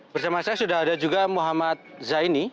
bersama saya sudah ada juga muhammad zaini